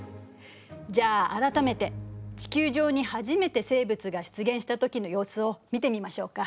じゃあ改めて地球上に初めて生物が出現した時の様子を見てみましょうか。